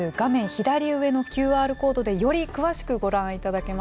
左上のＱＲコードでより詳しくご覧いただけます。